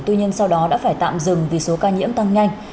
tuy nhiên sau đó đã phải tạm dừng vì số ca nhiễm tăng nhanh